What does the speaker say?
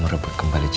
merebut kembali cidau